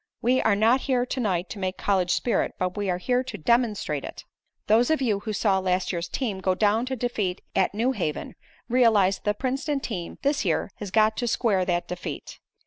We are not here to night to make college spirit, but we are here to demonstrate it. "Those of you who saw last year's team go down to defeat at New Haven, realize that the Princeton team this year has got to square that defeat.